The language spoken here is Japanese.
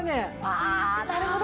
わあなるほど！